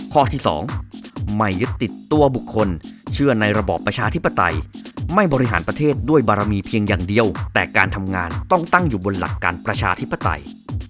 ข้อที่๒ไม่ยึดติดตัวบุคคลเชื่อในระบอบประชาธิปไตยไม่บริหารประเทศด้วยบารมีเพียงอย่างเดียวแต่การทำงานต้องตั้งอยู่บนหลักการประชาธิปไตย